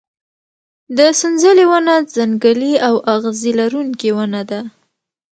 د سنځلې ونه ځنګلي او اغزي لرونکې ونه ده.